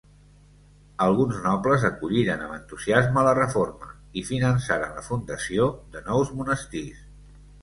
Alguns nobles acolliren amb entusiasme la reforma i finançaren la fundació de nous monestirs.